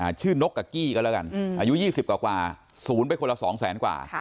ชื่อนกกับกี้ก็แล้วกันอายุ๒๐กว่าสูญไปคนละ๒๐๐๐๐๐กว่า